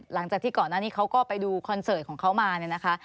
หลังจากที่ก่อนหน้านี้เขาก็ไปดูคอนเสิร์ตของเขามาเนี่ยนะคะ